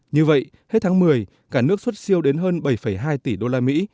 như vậy hết tháng một mươi cả nước xuất siêu đến hơn bảy hai tỷ usd